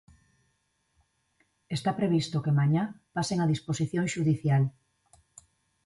Está previsto que mañá pasen a disposición xudicial.